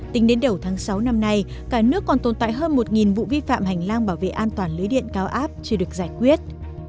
tính đến đầu tháng sáu năm nay cả nước còn tồn tại hơn một vụ vi phạm hành lang bảo vệ an toàn lưới điện cao áp chưa được giải quyết